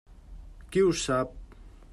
Qui ho sap!